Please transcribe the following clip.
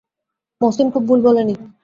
মহসিন খুব ভুল বলে নি।